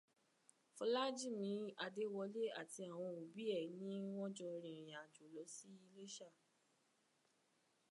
Fọlájìmí Adéwọlé àti àwọn òbí ẹ̀ ni wọ́n jọ rìnrìnàjò lọ sí Iléṣà